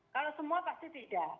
kalau semua pasti tidak